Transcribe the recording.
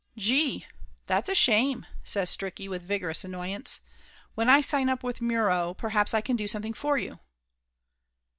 "Gee, that's a shame!" says Stricky with vigorous annoyance. "When I sign up with Muro perhaps I can do something for you."